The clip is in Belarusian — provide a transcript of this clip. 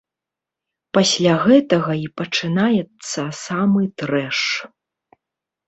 Пасля гэтага і пачынаецца самы трэш.